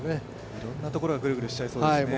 いろんなところがグルグルしちゃいそうですね。